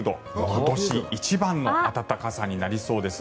今年一番の暖かさになりそうです。